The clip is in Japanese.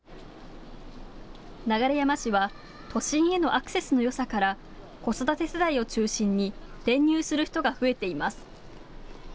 流山市は都心へのアクセスのよさから子育て世代を中心に転入する人が増えています。